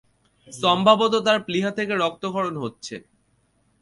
সম্ভবত তার প্লীহা থেকে রক্তক্ষরণ হচ্ছে।